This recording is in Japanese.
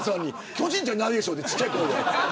巨人じゃないでしょうって小さい声で。